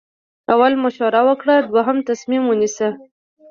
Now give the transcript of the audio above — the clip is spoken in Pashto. اول مشوره وکړه دوهم تصمیم ونیسه.